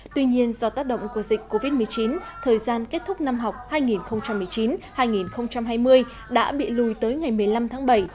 tuy nhiên do tác động của dịch covid một mươi chín thời gian kết thúc năm học hai nghìn một mươi chín hai nghìn hai mươi đã bị lùi tới ngày một mươi năm tháng bảy